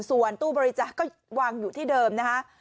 ส่วนตู้บริจาคก็วางอยู่ที่เดิมนะคะ